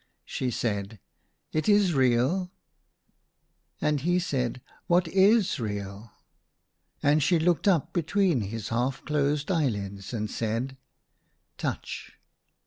She said, " It is real ?" And he said, " What is real ?" And she looked up between his half closed eyelids, and said, " Touch."